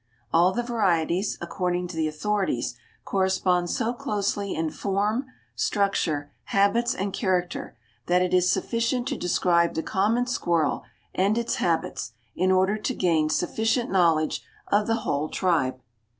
All the varieties, according to the authorities, correspond so closely in form, structure, habits and character that it is sufficient to describe the common squirrel and its habits, in order to gain sufficient knowledge of the whole tribe.